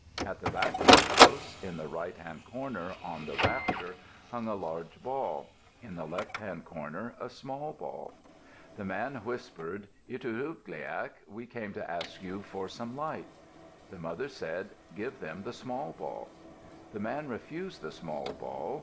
At the back of the house, in the right hand corner on the rafter, hung a large ball; in the left hand corner a small ball. The man whispered, "Itudluqpiaq, we came to ask you for some light." The mother said, "Give them the small ball." The man refused the small ball.